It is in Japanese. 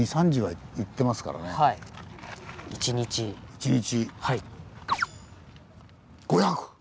１日。